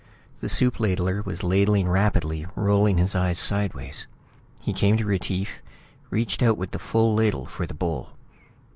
The soup ladler was ladling rapidly, rolling his eyes sideways. He came to Retief, reached out with the full ladle for the bowl.